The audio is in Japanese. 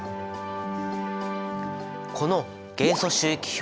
この元素周期表。